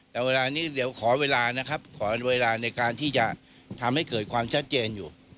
แต่เวลานี้เดี๋ยวขอเวลานะครับขอเวลาในการที่จะทำให้เกิดความชัดเจนอยู่